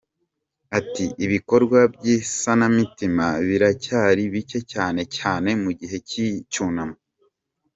Ati ”Ibikorwa by’isanamitima biracyari bike cyane cyane mu gihe cy’icyunamo.